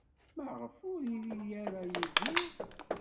Maɣef ur iri ara Yidir?